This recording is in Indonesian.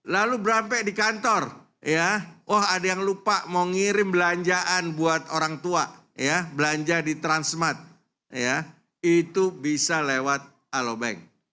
lalu berampek di kantor ya oh ada yang lupa mau ngirim belanjaan buat orang tua ya belanja di transmart itu bisa lewat alobank